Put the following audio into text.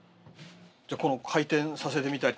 じゃあこの回転させてみたりとか。